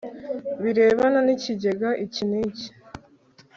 birebana n ikigega iki n iki